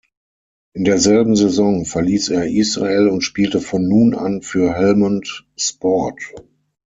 In derselben Saison verließ er Israel und spielte von nun an für Helmond Sport.